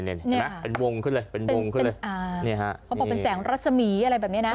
เห็นไหมเป็นวงขึ้นเลยเป็นวงขึ้นเลยอ่านี่ฮะเขาบอกเป็นแสงรัศมีร์อะไรแบบนี้นะ